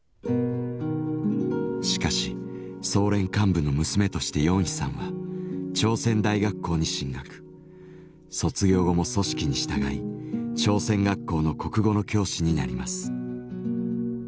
しかし総連幹部の娘としてヨンヒさんは朝鮮大学校に進学卒業後も組織に従い朝鮮学校の国語の教師になります。